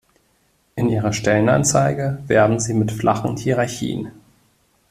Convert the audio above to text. In Ihrer Stellenanzeige werben Sie mit flachen Hierarchien.